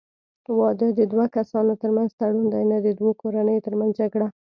واده د دوه کسانو ترمنځ تړون دی، نه د دوو کورنیو ترمنځ جګړه.